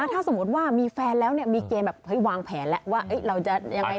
ถ้าสมมุติว่ามีแฟนแล้วเนี่ยมีเกณฑ์แบบเฮ้ยวางแผนแล้วว่าเราจะยังไง